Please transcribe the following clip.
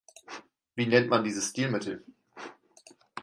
Wie nennt man dieses Stilmittel?